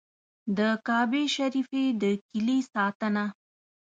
د کعبې شریفې د کیلي ساتنه.